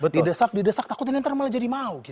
didesak didesak takutin nanti malah jadi mau